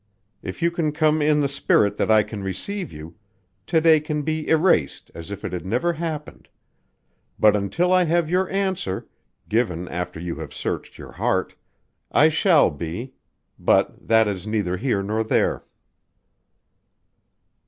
If you can come in the spirit that I can receive you, to day can be erased as if it had never happened but until I have your answer (given after you have searched your heart) I shall be but that is neither here nor there."